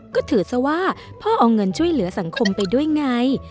ก็ถือซะว่าพ่อเอาเงินช่วยเหลือสังคมไปด้วยไง